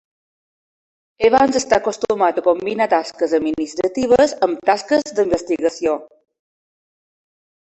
Evans està acostumat a combinar tasques administratives amb tasques d'investigació.